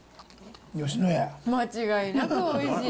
間違いなくおいしい。